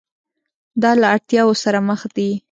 دا له اړتیاوو سره مخ دي.